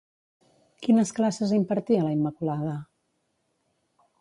Quines classes impartia, la Immaculada?